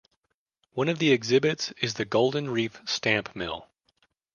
One of the exhibits is the Golden Reef Stamp Mill.